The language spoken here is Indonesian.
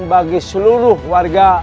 bagi seluruh warga